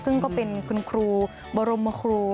ซึ่งก็คุณครูบรมครู